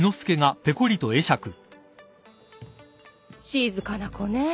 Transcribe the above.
静かな子ねぇ。